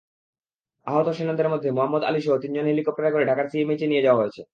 আহত সেনাদের মধ্যে মোহাম্মদ আলীসহ তিনজনকে হেলিকপ্টারে করে ঢাকার সিএমএইচে নিয়ে যাওয়া হয়েছে।